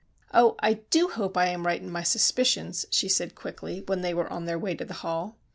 "Oh, I do hope I am right in my suspicions," she said quickly, when they were on their way to the hall.